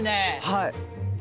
はい。